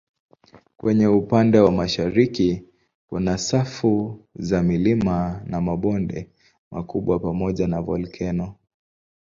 Kwenye upande wa mashariki kuna safu za milima na mabonde makubwa pamoja na volkeno.